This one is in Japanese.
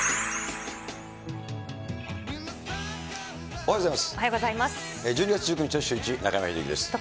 おはようございます。